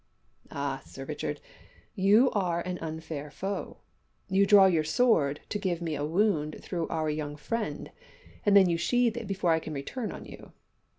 "Ah, Sir Richard, you are an unfair foe. You draw your sword to give me a wound through our young friend, and then sheath it before I can return on you.